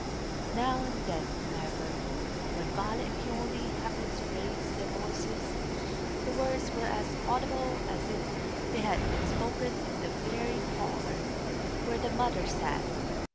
Now and then, however, when Violet and Peony happened to raise their voices, the words were as audible as if they had been spoken in the very parlour, where the mother sat.